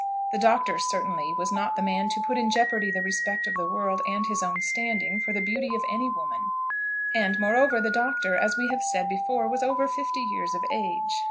The Doctor certainly was not the man to put in jeopardy the respect of the world and his own standing for the beauty of any woman; and, moreover, the Doctor, as we have said before, was over fifty years of age.